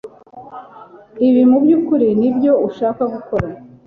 ibi mubyukuri nibyo ushaka gukora